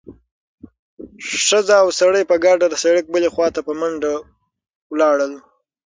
ښځه او سړی په ګډه د سړک بلې خوا ته په منډه لاړل.